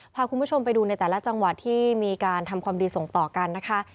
พาคุณผู้ชมไปดูในแต่ละจังหวัดที่มีการทำความดีส่งต่อกันนะคะ